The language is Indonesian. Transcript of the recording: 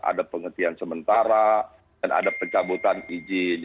jadi kalau kita berpenggunaan dengan narkoba kita harus mencari narkoba